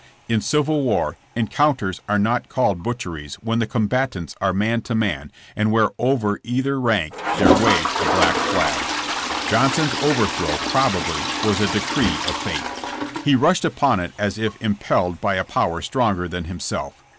In civil war en counters are not called butcheries when the comba tants are man to man and where over either rank there waves a black flag. Johnson's overthrow, probably, was a decree of fate. He rushed upon it as if im pelled by a power stronger than himself.